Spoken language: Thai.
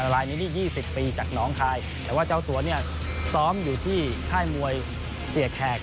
รายนี้นี่๒๐ปีจากน้องคายแต่ว่าเจ้าตัวเนี่ยซ้อมอยู่ที่ค่ายมวยเสียแขก